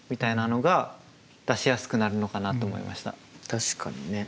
確かにね。